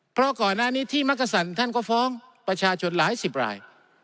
เพราะก่อนหน้านี้ที่มักกษันท่านก็ฟ้องประชาชนหลายสิบราย